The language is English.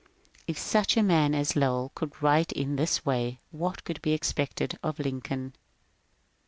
If such a man as Lowell could write in this way, what could be expected of Lincoln